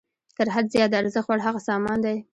تر حد زیات د ارزښت وړ هغه سامان دی